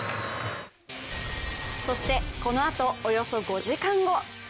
そして、このあとおよそ５時間後。